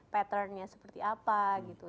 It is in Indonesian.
patternnya seperti apa gitu